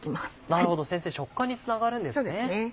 なるほど先生食感につながるんですね。